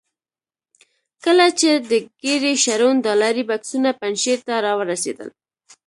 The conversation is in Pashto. کله چې د ګیري شرون ډالري بکسونه پنجشیر ته را ورسېدل.